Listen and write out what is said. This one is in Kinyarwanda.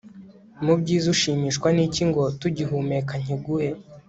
mu byiza ushimishwa n' iki ngo tugihumeka nkiguhe